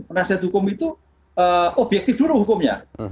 penasihat hukum itu objektif dulu hukumnya